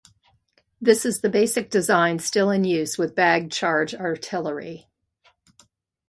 This is the basic design still in use with bagged charge artillery.